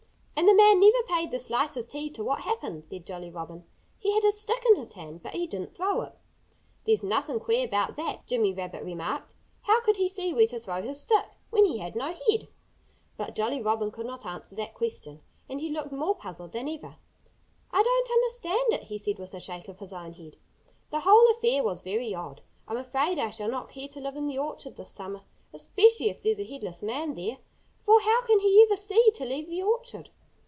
"And the man never paid the slightest heed to what happened," said Jolly Robin. "He had a stick in his hand; but he didn't throw it." "There's nothing queer about that," Jimmy Rabbit remarked. "How could he see where to throw his stick, when he had no head?" But Jolly Robin could not answer that question. And he looked more puzzled than ever. "I don't understand it," he said with a shake of his own head. "The whole affair was very odd. I'm afraid I shall not care to live in the orchard this summer, especially if there's a headless man there! For how can he ever see to leave the orchard?"